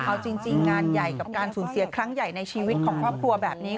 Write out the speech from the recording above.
เอาจริงงานใหญ่กับการสูญเสียครั้งใหญ่ในชีวิตของครอบครัวแบบนี้